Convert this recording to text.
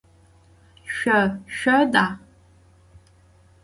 Şso şsoda?